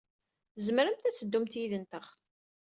Tzemremt ad teddumt yid-nteɣ.